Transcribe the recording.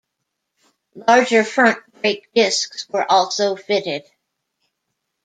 Larger front brake discs were also fitted.